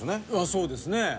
そうですね。